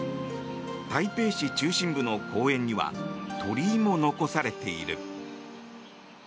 台北市中心部の公園には鳥居も残されている。